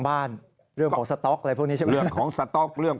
บ้านเรื่องของสต๊อกอะไรพวกนี้ใช่ไหมเรื่องของสต๊อกเรื่อง